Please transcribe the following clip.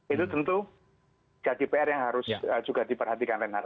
itu tentu jadi pr yang harus juga diperhatikan reinhardt